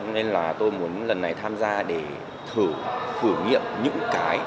nên là tôi muốn lần này tham gia để thử thử nghiệm những cái